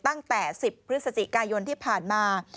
ตั้งแต่๑๐พฤศจิกายนที่ผ่านมา